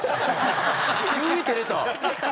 急に照れた。